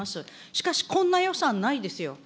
しかし、こんな予算ないですよ。